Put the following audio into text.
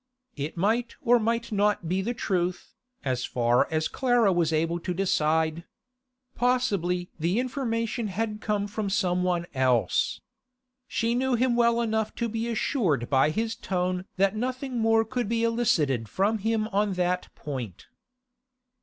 It might or might not be the truth, as far as Clara was able to decide. Possibly the information had come from some one else. She knew him well enough to be assured by his tone that nothing more could be elicited from him on that point.